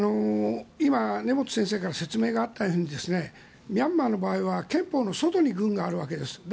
今、根本先生から説明があったようにミャンマーの場合は憲法の外に軍があるわけです。